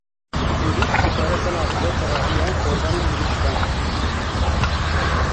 Vîrus dikare belav bibe tevahiya organên mirîşkan.